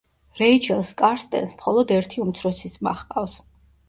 რეიჩელ სკარსტენს მხოლოდ ერთი უმცროსი ძმა ჰყავს.